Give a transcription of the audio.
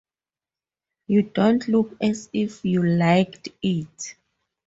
You don't look as if you liked it.